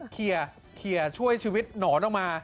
เคลียร์เคลียร์ช่วยชีวิตหนอนออกมา